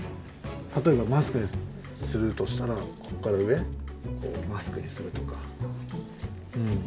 たとえばマスクにするとしたらここからうえマスクにするとか。